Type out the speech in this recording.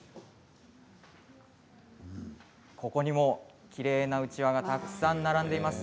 ここにも、きれいなうちわがたくさん並んでいます。